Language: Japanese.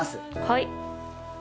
はい。